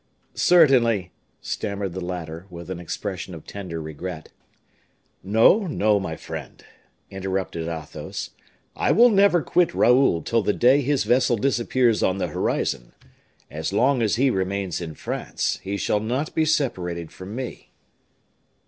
"Certainly," stammered the latter, with an expression of tender regret. "No, no, my friend," interrupted Athos, "I will never quit Raoul till the day his vessel disappears on the horizon. As long as he remains in France he shall not be separated from me."